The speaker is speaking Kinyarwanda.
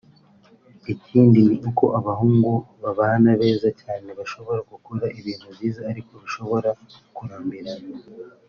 Ikindi ni uko abahungu b’abana beza cyane bashobora gukora ibintu byiza ariko bishobora kurambirana